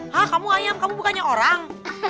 hah kamu ayang kamu bukannya orang